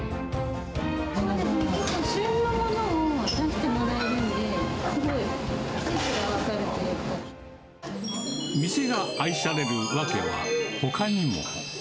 結構、旬のものを出してもらえるんで、店が愛される訳はほかにも。